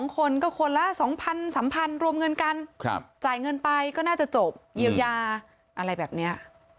๒คนก็คนละ๒๐๐๓๐๐รวมเงินกันจ่ายเงินไปก็น่าจะจบเยียวยาอะไรแบบนี้